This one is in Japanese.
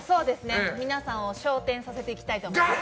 皆さんを昇天させていきたいと思います。